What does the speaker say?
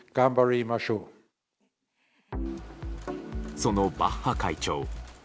そのバッハ会長